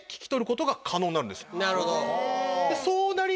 なるほど。